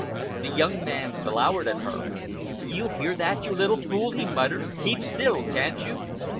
The young man glowered at her. "You hear that, you little fool!" he muttered. "Keep still, can't you?"